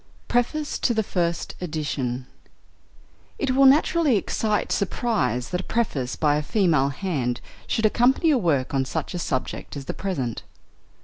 PREFACE TO THE FIRST EDITION It will naturally excite surprise that a preface by a female hand should accompany a work on such a subject as the present.